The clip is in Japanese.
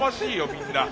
みんな。